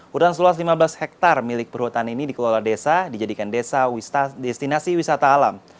hutan seluas lima belas hektare milik perhutan ini dikelola desa dijadikan desa destinasi wisata alam